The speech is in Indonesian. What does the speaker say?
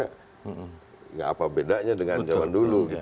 tidak apa bedanya dengan zaman dulu